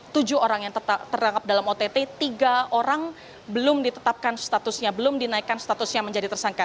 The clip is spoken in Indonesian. tujuh orang yang terangkap dalam ott tiga orang belum ditetapkan statusnya belum dinaikkan statusnya menjadi tersangka